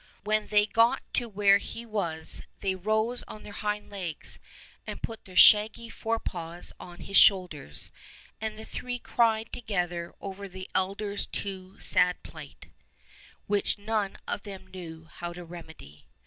When they got to where he was they rose on their hind legs and put their shaggy fore paws on his shoulders, and the three cried together over the elder two's sad plight, which none of them knew how to remedy.